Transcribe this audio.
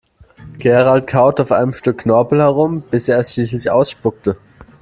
Gerald kaute auf einem Stück Knorpel herum, bis er es schließlich ausspuckte.